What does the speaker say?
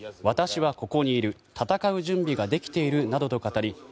私はここにいる戦う準備ができているなどと語り